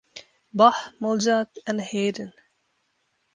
Bach, Mozart, and Haydn.